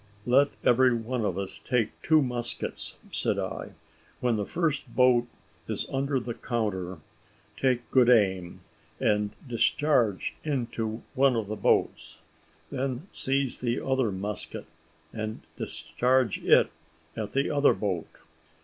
"Let every one of us take two muskets," said I: "when the first boat is under the counter, take good aim, and discharge into one of the boats; then seize the other musket, and discharge it at the other boat.